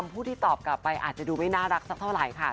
ผู้ที่ตอบกลับไปอาจจะดูไม่น่ารักสักเท่าไหร่ค่ะ